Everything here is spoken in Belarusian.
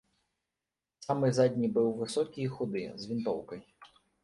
Самы задні быў высокі і худы, з вінтоўкай.